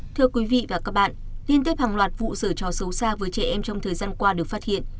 thưa quý vị và các bạn liên tiếp hàng loạt vụ rửa trò xấu xa với trẻ em trong thời gian qua được phát hiện